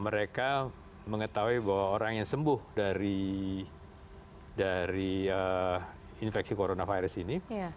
mereka mengetahui bahwa orang yang sembuh dari infeksi coronavirus ini